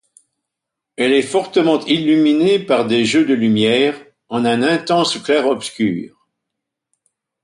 Elle est fortement illuminée par des jeux de lumière, en un intense clair-obscur.